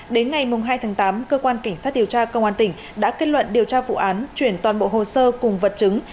đến ngày hai tháng tám cơ quan cảnh sát điều tra công an tỉnh đã kết luận điều tra vụ án chuyển toàn bộ hồ sơ cùng vật chứng